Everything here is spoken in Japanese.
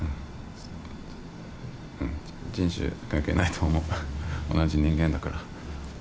人種関係ないと思う同じ人間だから。